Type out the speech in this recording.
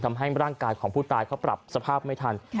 ทำให้ร่างกายของผู้ตายเขาปรับสภาพไม่ทัน